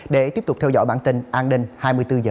để tiếp tục theo dõi bản tin an ninh hai mươi bốn h